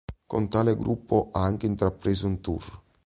Con tale gruppo ha anche intrapreso un tour.